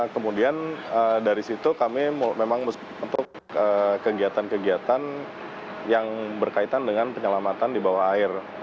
kemudian dari situ kami memang untuk kegiatan kegiatan yang berkaitan dengan penyelamatan di bawah air